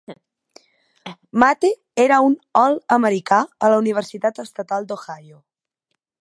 Matte era un All- Americà a la universitat estatal d'Ohio.